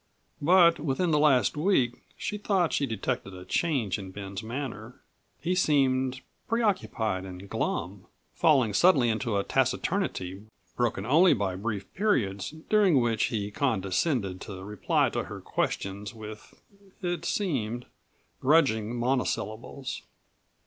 But within the last week she thought she detected a change in Ben's manner. He seemed preoccupied and glum, falling suddenly into a taciturnity broken only by brief periods during which he condescended to reply to her questions with it seemed grudging monosyllables.